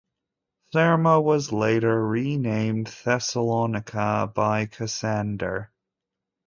Therma was later renamed Thessalonica by Cassander.